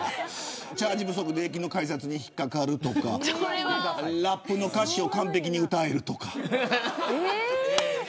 チャージ不足で駅の改札に引っ掛かるとかラップの歌詞を完璧に歌えるとか。